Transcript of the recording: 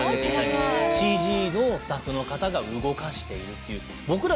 ＣＧのスタッフの方が動かしているっていう。